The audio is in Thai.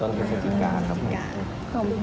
ต้นพิศจิกาครับ